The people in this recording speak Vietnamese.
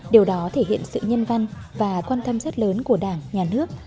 điều đó thể hiện sự nhân văn và quan tâm rất lớn của đảng nhà nước